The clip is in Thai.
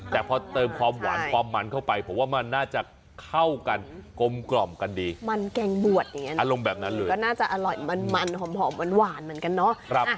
แต่พอเติมความหวานความมันเข้าไปผมว่ามันน่าจะเข้ากันกลมกล่อมกันดีมันแกงบวชอย่างนี้นะอารมณ์แบบนั้นเลยก็น่าจะอร่อยมันหอมหวานเหมือนกันเนาะ